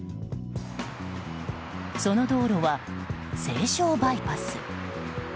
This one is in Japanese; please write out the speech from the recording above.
その道路は西湘バイパス。